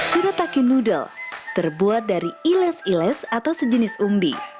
shirataki noodle terbuat dari iles iles atau sejenis umbi